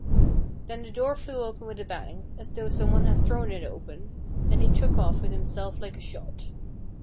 Then the door flew open with a bang, as though some one had thrown it open, and he took off with himself like a shot.